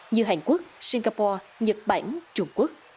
như hàn quốc singapore nhật bản trung quốc